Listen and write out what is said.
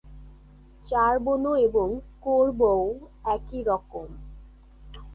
চারবোনো এবং কোরবোও একই রকম।